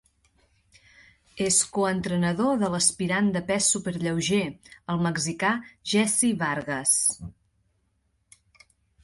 És co-entrenador de l'aspirant de pes superlleuger, el mexicà Jesse Vargas.